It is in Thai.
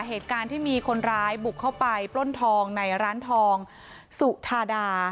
เหตุการณ์ที่มีคนร้ายบุกเข้าไปปล้นทองในร้านทองสุธาดา